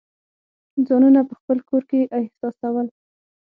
ځانونه په خپل کور کې احساسول.